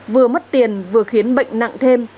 vừa mất tiền vừa khiến bệnh nặng thêm